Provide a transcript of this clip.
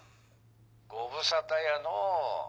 ご無沙汰やのう。